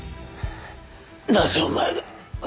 なぜお前が。